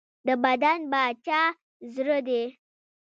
د بدن باچا زړه دی.